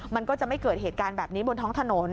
มันก็จะไม่เกิดเหตุการณ์แบบนี้บนท้องถนน